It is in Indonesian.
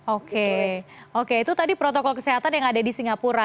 oke oke itu tadi protokol kesehatan yang ada di singapura